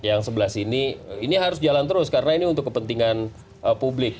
yang sebelah sini ini harus jalan terus karena ini untuk kepentingan publik